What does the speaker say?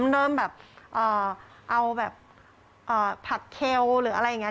เริ่มแบบเอาแบบผักเคลหรืออะไรอย่างนี้